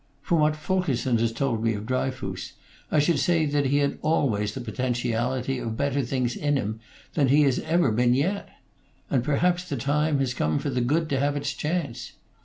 From what Fulkerson has told me of Dryfoos, I should say he had always had the potentiality of better things in him than he has ever been yet; and perhaps the time has come for the good to have its chance.